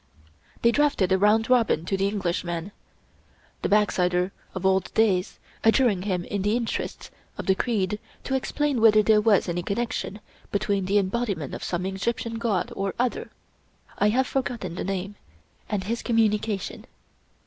They drafted a round robin to the Englishman, the back slider of old days, adjuring him in the interests of the creed to explain whether there was any connection between the embodiment of some Egyptian god or other (I have forgot ten the name) and his communication.